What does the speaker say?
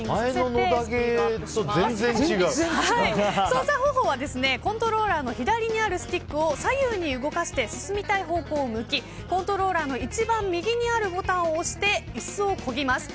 操作方法はコントローラーの左にあるスティックを左右に動かして進みたい方向を向きコントローラーの一番右にあるボタンを押して椅子をこぎます。